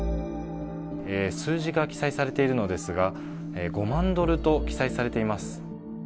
数字が記載されているのですが、５万ドルと記載されています。